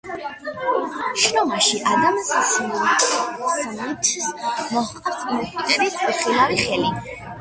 შრომაში ადამ სმითს მოჰყავს „იუპიტერის უხილავი ხელი“.